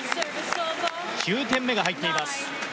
９点目が入っています。